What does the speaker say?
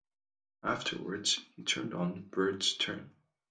Afterwards, he turned on the Byrds' Turn!